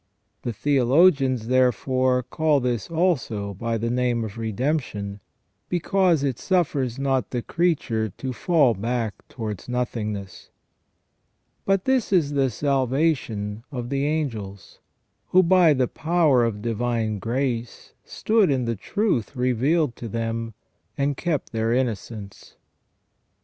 The theologians, therefore, call this also by the name of redemption, because it suffers not the creature to fall back towards nothing ness." * But this is the salvation of the angels, who by the power of divine grace stood in the truth revealed to them, and kept their innocence.